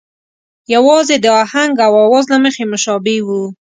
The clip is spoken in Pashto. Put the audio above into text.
یوازې د آهنګ او آواز له مخې مشابه وو.